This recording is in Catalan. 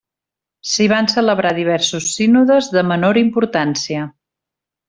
S'hi van celebrar diversos sínodes de menor importància.